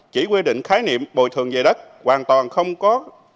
chỉ quy định khái niệm bồi thường về đất hoàn toàn không có